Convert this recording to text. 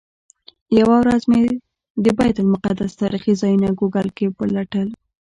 یوه ورځ مې د بیت المقدس تاریخي ځایونه ګوګل کې پلټل.